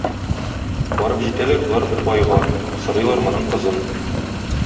Барып җитәләр болар бер байга, сорыйлар моның кызын.